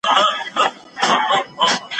علمي تحقیق سمدلاسه نه تطبیقیږي.